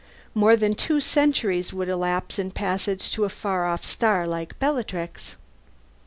More than two centuries would elapse in passage to a far off star like Bellatrix.